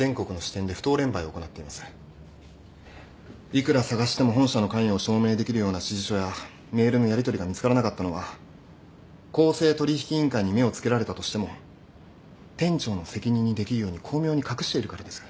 いくら捜しても本社の関与を証明できるような指示書やメールのやりとりが見つからなかったのは公正取引委員会に目を付けられたとしても店長の責任にできるように巧妙に隠しているからです。